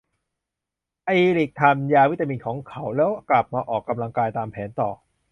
อีริคทานยาวิตามินของเขา แล้วกลับมาออกกำลังกายตามแผนต่อ